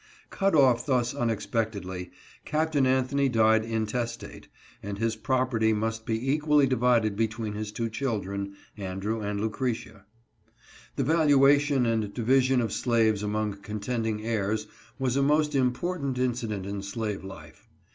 Cut off thus unexpectedly, Capt. Anthony died intes tate, and his property must be equally divided between his two children, Andrew and Lucretia. The valuation and division of slaves among contending heirs was a most important incident in slave life.